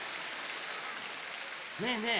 ねえねえ